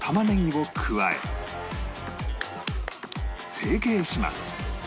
成形します